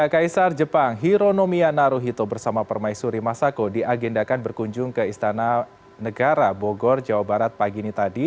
kaisar jepang hironomia naruhito bersama permaisuri masako diagendakan berkunjung ke istana negara bogor jawa barat pagi ini tadi